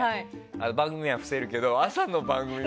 番組名は伏せるけど。